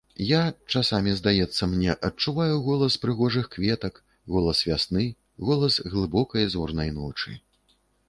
Я, часамі здаецца мне, адчуваю голас прыгожых кветак, голас вясны, голас глыбокай зорнай ночы!